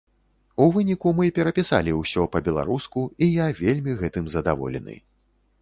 У выніку, мы перапісалі ўсё па-беларуску, і я вельмі гэтым задаволены.